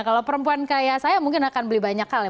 kalau perempuan kaya saya mungkin akan beli banyak hal ya